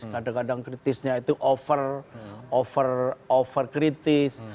kadang kadang kritisnya itu over over over kritis